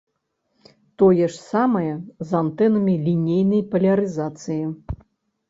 Тое ж самае з антэнамі лінейнай палярызацыі.